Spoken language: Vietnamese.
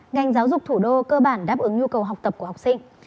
ngành giáo dục thủ đô cơ bản đáp ứng nhu cầu học tập của học sinh